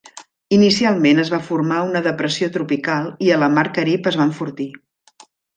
Inicialment es va formar una depressió tropical i a la Mar Carib es va enfortir.